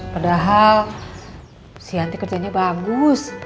padahal si yanti kerjanya bagus